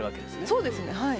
そうですねはい。